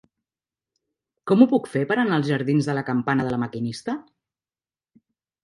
Com ho puc fer per anar als jardins de la Campana de La Maquinista?